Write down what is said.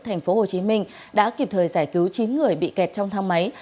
thành phố hồ chí minh đã kịp thời giải cứu chín người bị kẹt trong thang máy